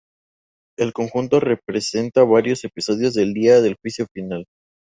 El conjunto representa varios episodios del día del Juicio Final.